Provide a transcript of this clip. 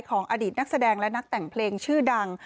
อดีตนักแสดงและนักแต่งเพลงชื่อดัง